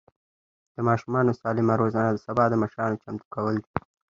د ماشومانو سالم روزنه د سبا د مشرانو چمتو کول دي.